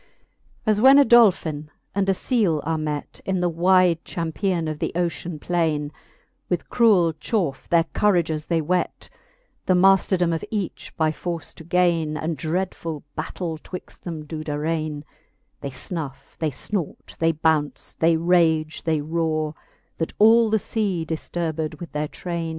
As when a Dolphin and a Sele are met, In the wide champian of the ocean plaine ; With cruell chaufe their courages they whet, The mayfterdome of each by force to gaine, And dreadfull battaile twixt them do darraine : They fnuf, they fnort, they bounce, they rage, they rore, That all the fea, difturbed with their traine.